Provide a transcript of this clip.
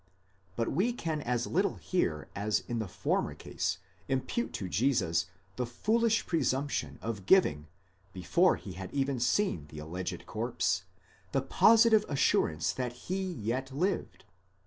But we can as little here as in the former case impute to Jesus the foolish presumption of giving, before he had even seen the alleged corpse, the positive assurance that he yet lived.